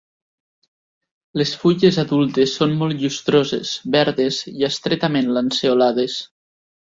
Les fulles adultes són molt llustroses, verdes i estretament lanceolades.